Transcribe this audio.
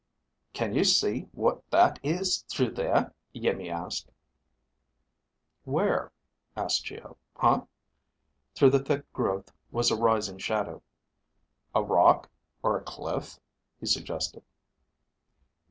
"Can you see what that is through there?" Iimmi asked. "Where?" asked Geo. "Huh...?" Through the thick growth was a rising shadow. "A rock or a cliff?" he suggested.